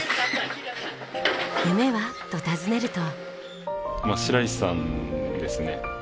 夢は？と尋ねると。